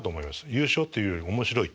優勝というより面白い。